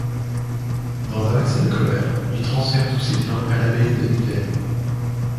Dans un accès de colère il transfère tous ses biens à l’abbaye de Nivelles.